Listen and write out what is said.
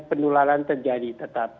pendularan terjadi tetap